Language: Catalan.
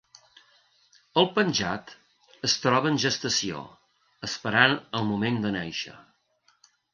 El Penjat es troba en gestació, esperant el moment de nàixer.